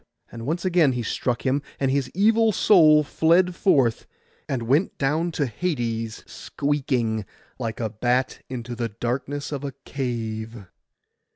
And once again he struck him; and his evil soul fled forth, and went down to Hades squeaking, like a bat into the darkness of a cave.